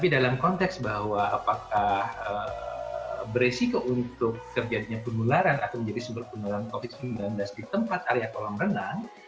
dalam konteks bahwa apakah beresiko untuk terjadinya penularan atau menjadi sumber penularan covid sembilan belas di tempat area kolam renang